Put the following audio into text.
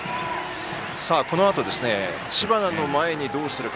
このあと、知花を前にどうするか。